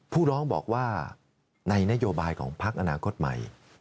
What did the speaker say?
ผู้ร้องบอกว่าในนโยบายของพักอนาคตใหม่